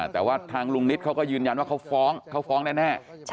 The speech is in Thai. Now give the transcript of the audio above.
แต่ว่าทางลุงนิดเขาก็ยืนยันว่าเขาฟ้องเขาฟ้องแน่